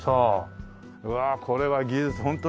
うわあこれは技術ホントに技術だね。